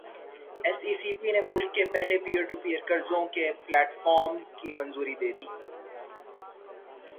S E C P نے ملک کے پہلے پیر ٹو پیر قرضوں کے پلیٹ فارم کی منظوری دے دی